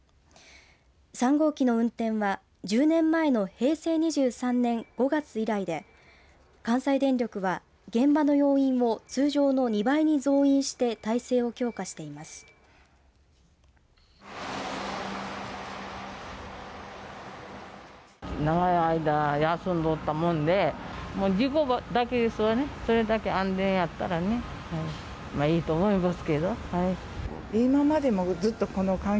３号機の運転は１０年前の平成２３年５月以来で関西電力は現場の要員を通常の２倍に増員して態勢を強化しています。